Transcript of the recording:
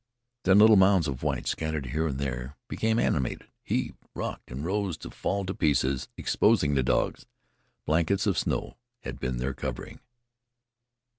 Then little mounds of white, scattered here and there became animated, heaved, rocked and rose to dogs. Blankets of snow had been their covering.